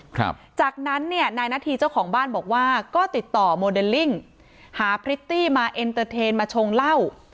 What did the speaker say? ครับจากนั้นเนี่ยนายนาธีเจ้าของบ้านบอกว่าก็ติดต่อโมเดลลิ่งหาพริตตี้มาเอ็นเตอร์เทนมาชงเหล้า